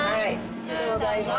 ありがとうございます。